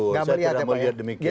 saya tidak melihat demikian